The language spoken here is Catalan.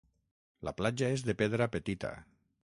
La platja és de pedra petita.